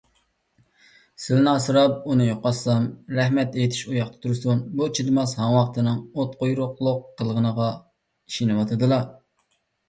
سىلىنى ئاسراپ، ئۇنى يوقاتسام، رەھمەت ئېيتىش ئۇياقتا تۇرسۇن، بۇ چىدىماس ھاڭۋاقتىنىڭ ئوتقۇيرۇقلۇق قىلغىنىغا ئىشىنىۋاتىدىلا.